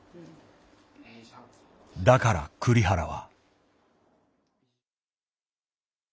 だから栗原は。